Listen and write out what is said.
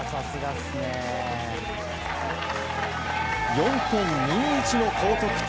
４．２１の高得点。